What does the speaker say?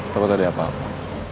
takut ada apa apa